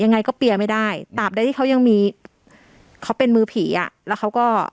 ยังไงก็เปียร์ไม่ได้ตามใดที่เขายังมีเขาเป็นมือผีอ่ะแล้วเขาก็